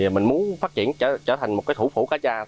mình muốn phát triển trở thành một thủ phủ cá tra